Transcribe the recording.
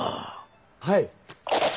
はい。